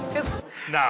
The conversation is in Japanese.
なあ。